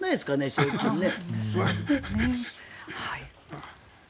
賞金ね。